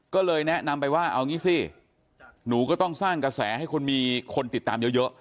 ก็เลยแนะนำไปว่าเอางี้สิหนูก็ต้องสร้างกระแสให้คนมีคนติดตามเยอะ